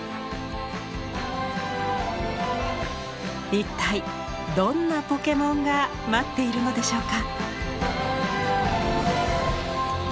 一体どんなポケモンが待っているのでしょうか。